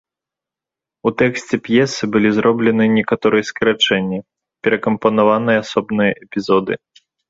У тэксце п'есы былі зроблены некаторыя скарачэнні, перакампанаваныя асобныя эпізоды.